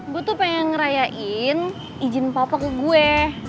gue tuh pengen ngerayain izin papa ke gue